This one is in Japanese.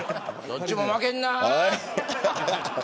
どっちも負けんな。